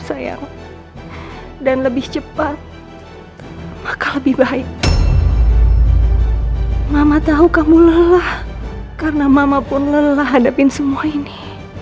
sayang dan lebih cepat apakah lebih baik mama tahu kamu lelah karena mama pun lelah hadapin semua ini